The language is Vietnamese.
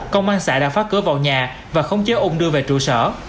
công an xã đã phá cửa vào nhà và khống chế ung đưa về trụ sở